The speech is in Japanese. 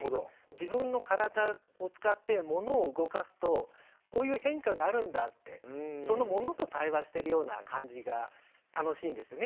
自分の体を使って物を動かすとこういう変化があるんだってその物と対話してるような感じが楽しいんですね